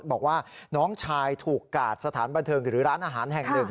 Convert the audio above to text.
บอกว่าน้องชายถูกกาดสถานบันเทิงหรือร้านอาหารแห่งหนึ่ง